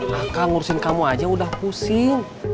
nah kak ngurusin kamu aja udah pusing